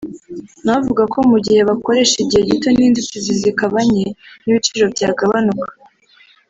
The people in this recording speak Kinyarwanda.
na we avuga ko mu gihe bakoresha igihe gito n’inzitizi zikaba nke n’ibiciro byagabanuka